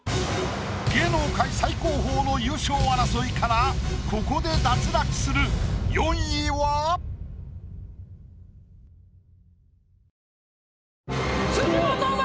芸能界最高峰の優勝争いからここで脱落する辻元舞！